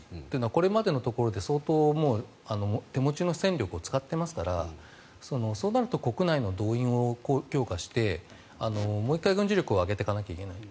これまでのところで相当もう、手持ちの戦力を使ってますからそうなると国内の動員を強化してもう１回軍事力を上げていかなくてはいけない。